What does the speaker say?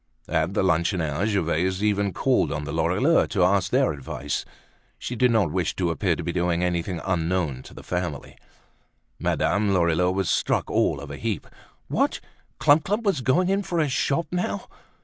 At the luncheon hour Gervaise even called on the Lorilleuxs to ask their advice; she did not wish to appear to be doing anything unknown to the family. Madame Lorilleux was struck all of a heap. What! Clump clump was going in for a shop now!